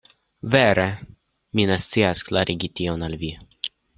Vere, mi ne scias klarigi tion al vi.